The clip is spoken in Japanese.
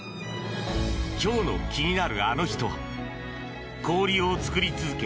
今日の気になるアノ人は氷を作り続け